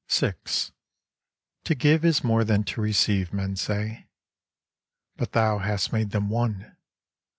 VI To give is more than to receive, men say. But thou hast made them one!